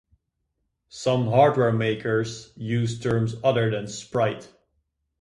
Some hardware makers used terms other than "sprite".